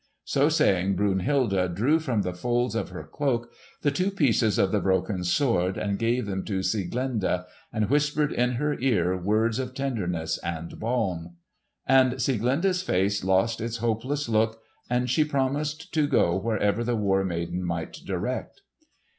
So saying Brunhilde drew from the folds of her cloak the two pieces of the broken sword and gave them to Sieglinde and whispered in her ear words of tenderness and balm. And Sieglinde's face lost its hopeless look, and she promised to go wherever the War Maiden might direct.